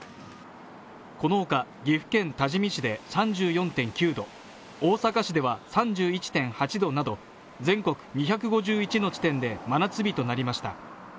このほか岐阜県多治見市で３４．９度大阪市では３１．８度など全国２５１の地点で真夏日となりました。